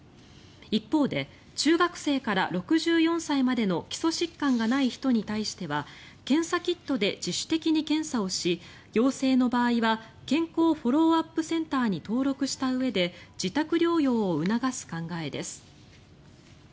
一方で、中学生から６４歳までの基礎疾患がない人に対しては検査キットで自主的に検査をし陽性の場合は健康フォローアップセンターに登録したうえで自宅療養を促す考えです。